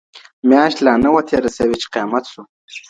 میاشت لا نه وه تېره سوې چي قیامت سو.